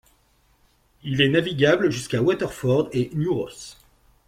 Il est navigable jusqu'à Waterford et New Ross.